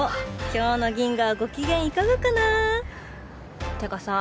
今日のギンガはご機嫌いかがかなってかさ